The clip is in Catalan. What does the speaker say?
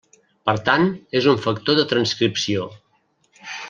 Per tant, és un factor de transcripció.